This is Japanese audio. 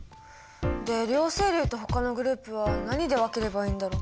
で両生類とほかのグループは何で分ければいいんだろう？